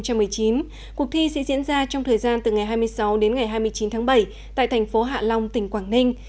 cuộc thi sẽ diễn ra trong thời gian từ ngày hai mươi sáu đến ngày hai mươi chín tháng bảy tại thành phố hạ long tỉnh quảng ninh